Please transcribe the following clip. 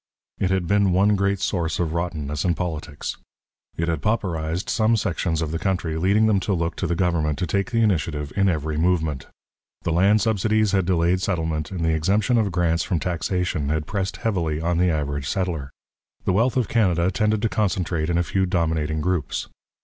It had been one great source of rottenness in politics. It had pauperized some sections of the country, leading them to look to the government to take the initiative in every movement. The land subsidies had delayed settlement, and the exemption of grants from taxation had pressed heavily on the average settler. The wealth of Canada tended to concentrate in a few dominating groups.